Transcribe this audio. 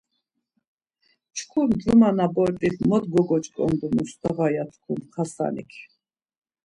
Çku cuma na bort̆it mot gogoç̌ǩondu Mustava? ya tku Xasanik.